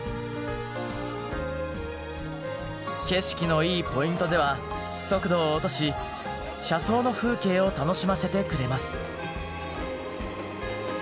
景色のいいポイントでは速度を落とし車窓の風景を楽しませてくれます。